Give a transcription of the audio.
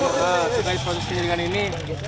kita sudah diproduksi dengan ini